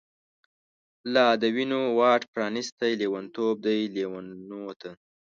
لا د وینو واټ پرانیستۍ، لیونتوب دی لیونوته